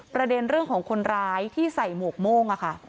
ประเด็นเรื่องของคนร้ายที่ใส่หมวกโม่ง